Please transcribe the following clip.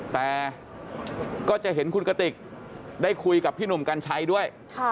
แต่ก็จะเห็นคุณกติกได้คุยกับพี่หนุ่มกัญชัยด้วย